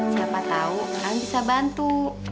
siapa tahu kalian bisa bantu